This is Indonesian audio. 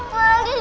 aku akan menang